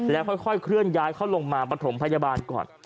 แล้วค่อยเคลื่อนย้ายเขาลงมาปฐมพยาบาลก่อน